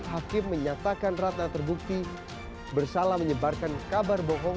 hakim menyatakan ratna terbukti bersalah menyebarkan kabar bohong